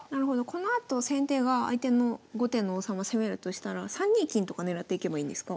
このあと先手が相手の後手の王様攻めるとしたら３二金とか狙っていけばいいんですか？